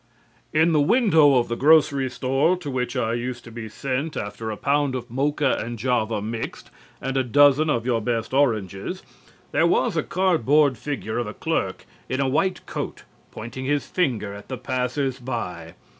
In the window of the grocery store to which I used to be sent after a pound of Mocha and Java mixed and a dozen of your best oranges, there was a cardboard figure of a clerk in a white coat pointing his finger at the passers by.